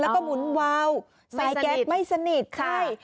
แล้วก็หมุนวาวสายแก๊สไม่สนิทใช่